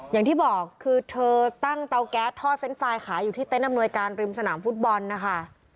อย่างที่บอกคือเธอตั้งเตาแก๊สทอดเฟรนดไฟล์ขายอยู่ที่เต้นอำนวยการริมสนามฟุตบอลนะคะ